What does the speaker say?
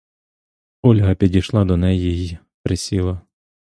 Ольга підійшла до неї й присіла.